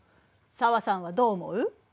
紗和さんはどう思う？